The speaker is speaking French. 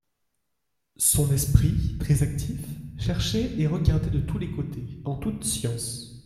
Son esprit, très actif, cherchait et regardait de tous côtés, en toute science.